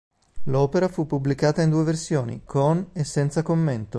L'opera fu pubblicata in due versioni, con e senza commento.